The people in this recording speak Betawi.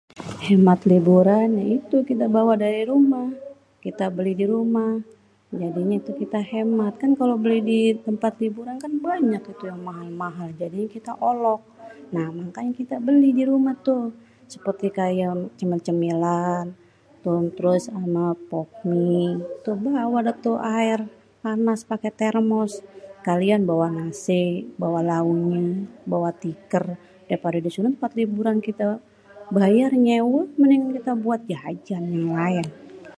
Hemat liburan ya itu kita bawa dari rumah, kita beli di rumah. Jadinya kita hemat, kan kalo beli di tempat liburan kan banyak tu yang mahal-mahal jadinya kita olok. Nah mangkanya kita beli di rumah tu, seperti kaya cemil-cemilan, terus kaya popmie, terus bawa dah tu aer panas pake termos. Sekalian bawa nasi, bawa lauknya, bawa tiker. Daripada di sono tempat liburan bayar nyewa mendingan kita buat jajan yang laen.